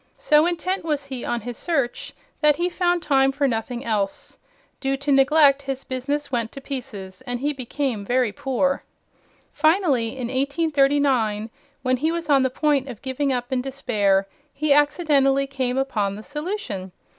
So intent was he on his search that he found time for nothing else. Due to neglect his business went to pieces and he became very poor. Finally, in 1839, when he was on the point of giving up in despair, he accidentally came upon the solution.